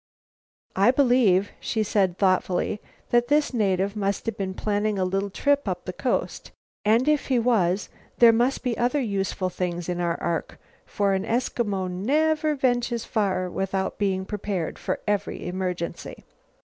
I believe," she said thoughtfully, "that this native must have been planning a little trip up the coast, and if he was there must be other useful things in our ark, for an Eskimo never ventures far without being prepared for every emergency."